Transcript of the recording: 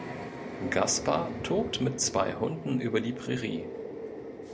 Gaspar tobt mit zwei Hunden über die Prärie.